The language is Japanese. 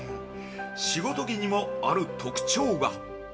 仕事着にもある特徴が。